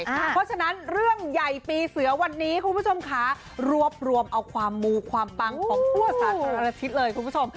เพราะฉะนั้นเรื่องใหญ่ปีเสือวันนี้คุณผู้ชมค่ะรวบรวมเอาความมูความปังของทั่วสาธารณชิตเลยคุณผู้ชม